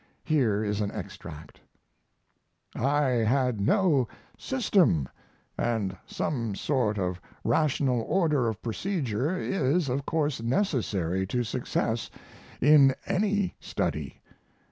Here is an extract: ... I had no SYSTEM and some sort of rational order of procedure is, of course, necessary to success in any study.